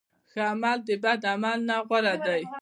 ښه عمل د بد عمل نه غوره دی.